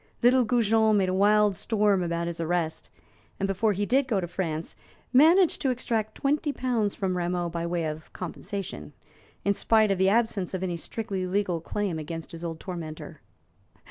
Little Goujon made a wild storm about his arrest, and before he did go to France managed to extract twenty pounds from Rameau by way of compensation, in spite of the absence of any strictly legal claim against his old tormentor.